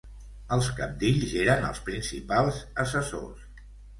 Els cabdills eren els principals assessors.